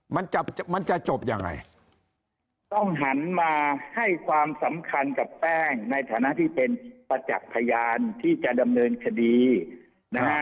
มันจะมันจะจบยังไงต้องหันมาให้ความสำคัญกับแป้งในฐานะที่เป็นประจักษ์พยานที่จะดำเนินคดีนะฮะ